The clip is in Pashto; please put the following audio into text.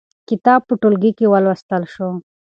کتاب په ټولګي کې ولوستل شو.